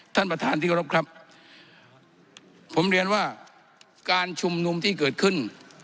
ท่านประธานที่กรบครับผมเรียนว่าการชุมนุมที่เกิดขึ้น